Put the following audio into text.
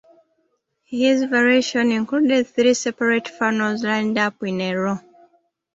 His variation included three separate funnels lined up in a row.